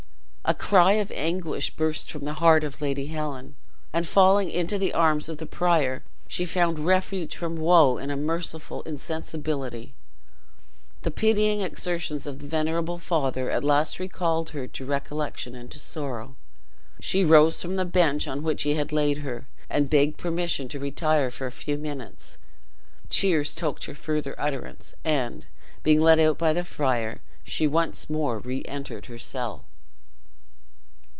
A cry of anguish burst from the heart of Lady Helen, and falling into the arms of the prior, she found refuge from woe in a merciful insensibility. The pitying exertions of the venerable father at last recalled her to recollection and to sorrow. She rose from the bench on which he had laid her, and begged permission to retire for a few minutes; tears choked her further utterance, and, being led out by the friar, she once more reentered her cell.